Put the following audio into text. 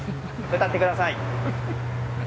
歌ってください。